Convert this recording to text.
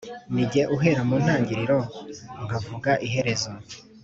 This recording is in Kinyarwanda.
Ni jye uhera mu ntangiriro nkavuga iherezo